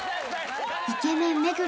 イケメン目黒